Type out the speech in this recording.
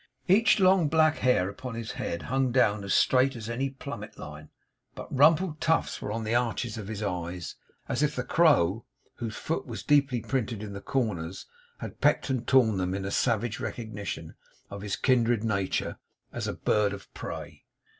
Each long black hair upon his head hung down as straight as any plummet line; but rumpled tufts were on the arches of his eyes, as if the crow whose foot was deeply printed in the corners had pecked and torn them in a savage recognition of his kindred nature as a bird of prey.